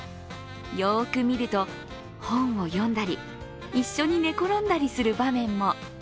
よく見ると、本を読んだり、一緒に寝ころんだりする場面も。